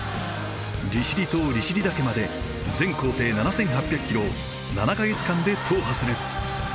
利尻島利尻岳まで全行程７，８００キロを７か月間で踏破する。